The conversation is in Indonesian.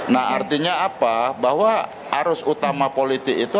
nah artinya apa bahwa arus utama politik itu